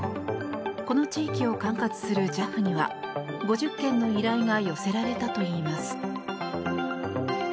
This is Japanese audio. この地域を管轄するＪＡＦには５０件の依頼が寄せられたといいます。